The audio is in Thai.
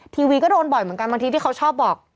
ทีวีก็โดนบ่อยเหมือนกันบางทีที่เขาชอบบอก